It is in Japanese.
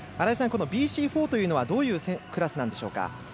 ＢＣ４というのはどういうクラスなんでしょうか。